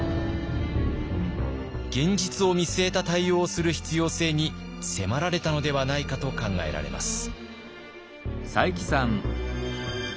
現実を見据えた対応をする必要性に迫られたのではないかと考えられます。